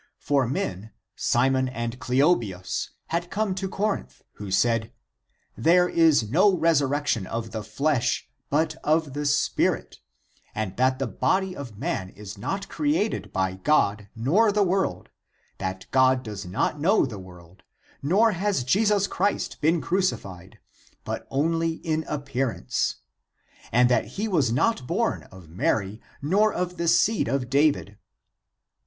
For men, Simon and Cleobius, had come to Corinth who said :* there is no resurrection of the flesh, but of the spirit, and that the body of man is not created by God nor the world, that God does not know the world, nor has Jesus Christ been crucified, but only in appearance, and that he was not born of Mary nor of the seed of David.'